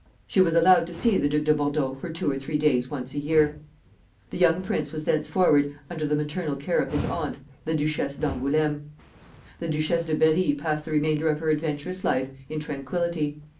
She was allowed to see the Duc de Bordeaux for two or three days once a year. The young prince was thenceforward under the maternal care of his aunt, the Duchesse d'Angoulême. The Duchesse de Berri passed the remainder of her adventurous life in tranquillity.